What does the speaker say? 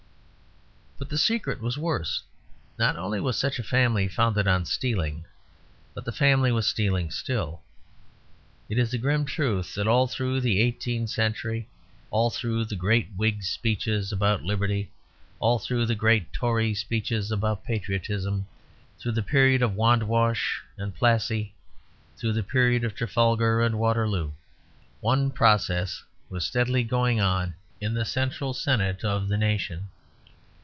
But the secret was worse; not only was such a family founded on stealing, but the family was stealing still. It is a grim truth that all through the eighteenth century, all through the great Whig speeches about liberty, all through the great Tory speeches about patriotism, through the period of Wandewash and Plassy, through the period of Trafalgar and Waterloo, one process was steadily going on in the central senate of the nation.